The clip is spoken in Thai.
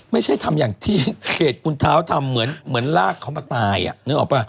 ไม่ใช่ทำอย่างที่เขตคุณเท้าทำเหมือนลากเขามาตายนึกออกป่ะ